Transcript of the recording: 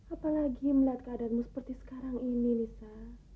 apalagi melihat keadaanmu seperti sekarang ini nisa